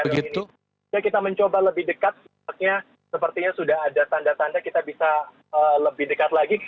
sehingga kita mencoba lebih dekat sepertinya sudah ada tanda tanda kita bisa lebih dekat lagi